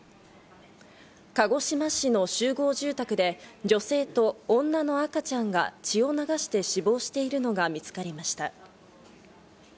鹿児島市の集合住宅で女性と女の赤ちゃんが血を流して死亡しているのが見つかりました。